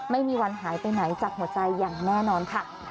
ไม่มีวันหายไปไหนจากหัวใจแน่นอน